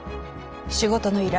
仕事の依頼。